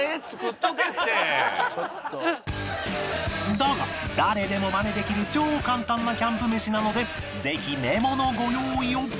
だが誰でもマネできる超簡単なキャンプ飯なのでぜひメモのご用意を